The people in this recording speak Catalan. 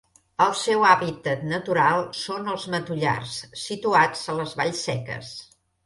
El seu hàbitat natural són els matollars situats a les valls seques.